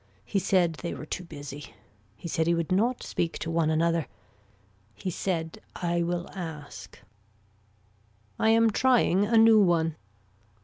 He said they were too busy. He said he would not speak to one another. He said I will ask. I am trying a new one.